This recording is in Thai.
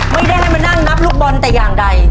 ไม่ได้ให้มานั่งนับลูกบอลแต่อย่างใด